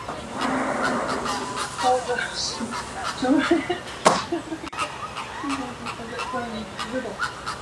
包箨矢竹为禾本科青篱竹属下的一个种。